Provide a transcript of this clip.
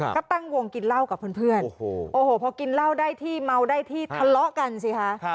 ก็ตั้งวงกินเหล้ากับเพื่อนโอ้โหพอกินเหล้าได้ที่เมาได้ที่ทะเลาะกันสิคะ